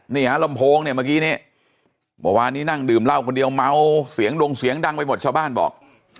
นี่ฮะลำโพงเนี่ยเมื่อกี้นี้เมื่อวานนี้นั่งดื่มเหล้าคนเดียวเมาเสียงดงเสียงดังไปหมดชาวบ้านบอก